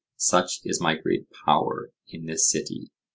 Such is my great power in this city.